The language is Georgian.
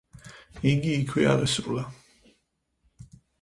იგი იქვე აღესრულა.